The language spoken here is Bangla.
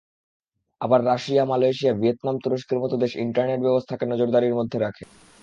আবার রাশিয়া, মালয়েশিয়া, ভিয়েতনাম, তুরস্কের মতো দেশ ইন্টারনেট-ব্যবস্থাকে নজরদারির মধ্যে রাখে।